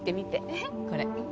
えっ？これ。